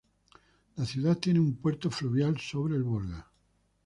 La ciudad tiene un puerto fluvial sobre el Volga.